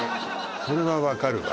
それはわかるわ